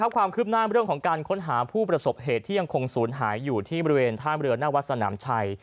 ความคืบหน้าเรื่องของการค้นหาผู้ประสบเหตุที่ยังคงศูนย์หายอยู่ที่บริเวณท่ามเรือหน้าวัดสนามชัย